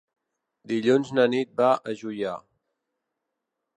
Dilluns na Nit va a Juià.